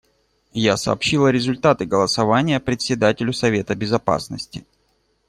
Я сообщила результаты голосования Председателю Совета Безопасности.